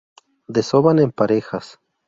Desovan en parejas.